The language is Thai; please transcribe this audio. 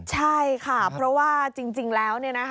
ใช่ค่ะเพราะว่าจริงแล้ว